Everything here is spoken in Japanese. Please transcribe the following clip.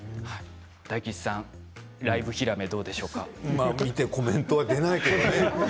大吉さん、ライブヒラメ見てコメントは出ないけどね。